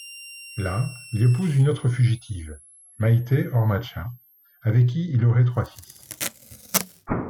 Là, il épouse une autre fugitive, Maite Ormaetxea, avec qui il aurait trois fils.